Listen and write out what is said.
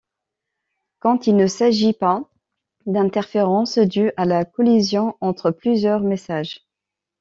Quand il ne s'agit pas d'interférences dues à la collision entre plusieurs messages.